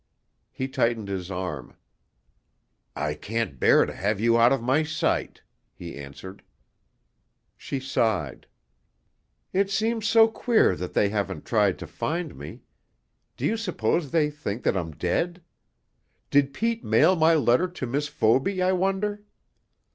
He tightened his arm. "I can't bear to have you out of my sight," he answered. She sighed. "It seems so queer that they haven't tried to find me. Do you suppose they think that I'm dead? Did Pete mail my letter to Miss Foby, I wonder?"